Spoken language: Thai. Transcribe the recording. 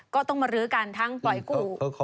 ก็ต้องมาลื้อกันทั้งปล่อยกู้